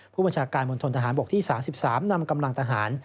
ผู้บัญชาการมณฑนทหารบกที่๓๓นำกำลังทหาร